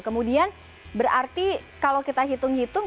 kemudian berarti kalau kita hitung hitung